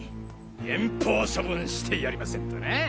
減俸処分してやりませんとなぁ！